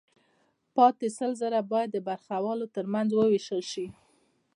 پاتې سل زره باید د برخوالو ترمنځ ووېشل شي